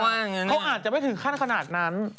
เขาอาจจะไม่ถึงขั้นขนาดนั้น